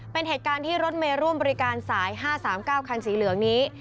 เป็นเหตุการณ์ที่รถเมย์ร่วมบริการสาย๕๓๙คันสีเหลืองนี้